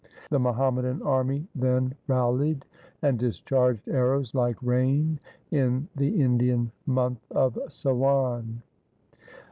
The Muhammadan army then rallied and discharged arrows like rain in the Indian month of Sawan.